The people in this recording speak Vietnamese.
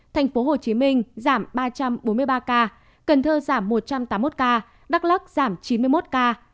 thành phố hồ chí minh giảm ba trăm bốn mươi ba ca cần thơ giảm một trăm tám mươi một ca đắk lắc giảm chín mươi một ca